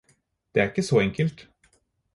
Det er ikke så enkelt.